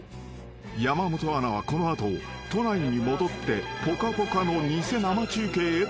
［山本アナはこの後都内に戻って『ぽかぽか』の偽生中継へと向かう］